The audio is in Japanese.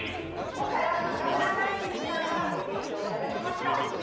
今回は中村太地七段からご提供いただきました。